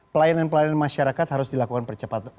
pelayanan pelayanan masyarakat harus dilakukan percepatan